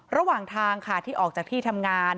ระหว่างทางค่ะที่ออกจากที่ทำงาน